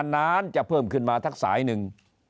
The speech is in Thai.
นานจะเพิ่มขึ้นมาทักสายหนึ่ง